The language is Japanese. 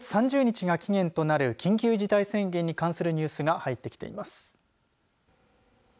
福岡からは今月３０日が期限となる緊急事態宣言に関するニュースが入ってきています。